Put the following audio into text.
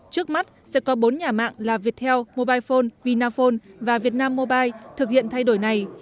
trước mắt sẽ có bốn nhà mạng là viettel mobilephone vinaphone và vietnam mobile thực hiện thay đổi này